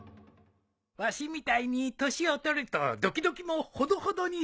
わしみたいに年を取るとドキドキもほどほどにせんとな。